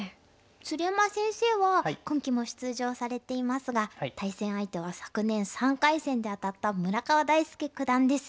鶴山先生は今期も出場されていますが対戦相手は昨年３回戦で当たった村川大介九段です。